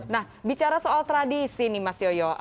nah bicara soal tradisi nih mas yoyo